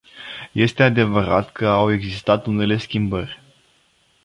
Este adevărat că au existat unele schimbări.